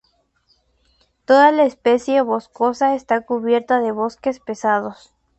Toda la superficie boscosa está cubierta de bosques pesados.